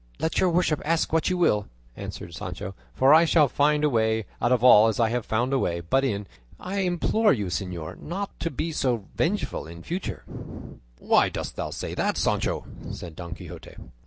"Let your worship ask what you will," answered Sancho, "for I shall find a way out of all as as I found a way in; but I implore you, señor, not not to be so revengeful in future." "Why dost thou say that, Sancho?" said Don Quixote.